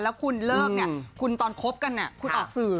แล้วคุณเลิกเนี่ยคุณตอนคบกันคุณออกสื่อ